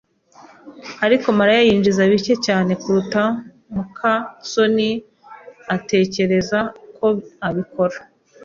ariko Mariya yinjiza bike cyane kuruta muka soni atekereza ko abikora.